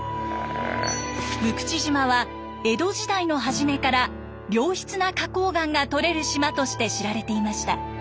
六口島は江戸時代の初めから良質な花こう岩がとれる島として知られていました。